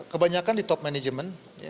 kebanyakan di top management